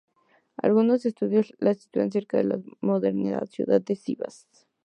Algunos estudios la sitúan cerca de la moderna ciudad de Sivas.